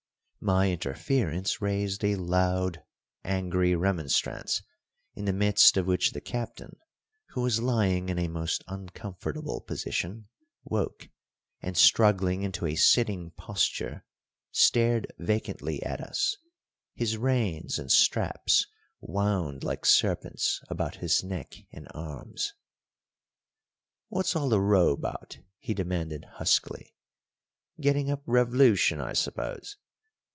My interference raised a loud, angry remonstrance, in the midst of which the Captain, who was lying in a most uncomfortable position, woke, and, struggling into a sitting posture, stared vacantly at us, his reins and straps wound like serpents about his neck and arms. "What's all the row 'bout?" he demanded huskily. "Getting up rev'lution, I s'pose.